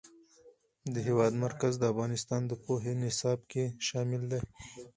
د هېواد مرکز د افغانستان د پوهنې نصاب کې شامل دي.